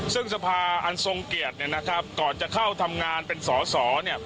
ซึ่งสภาอันทรงเกียรติเนี่ยนะครับก่อนจะเข้าทำงานเป็นสอสอเนี่ย